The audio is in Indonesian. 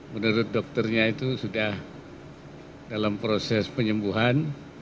menurut dokternya itu sudah dalam proses penyembuhan